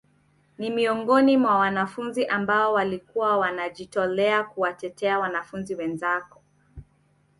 Ni miongoni mwa wanafunzi ambao walikuwa wanajitolea kuwatetea wanafunzi wenzako